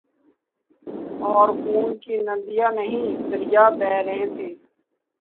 اورخون کی ندیاں نہیں دریا بہہ رہے تھے۔